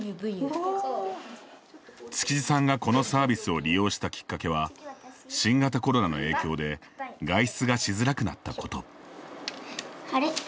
築地さんがこのサービスを利用したきっかけは新型コロナの影響で外出がしづらくなったこと。